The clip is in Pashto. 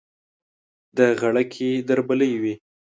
د غړکې دربلۍ وي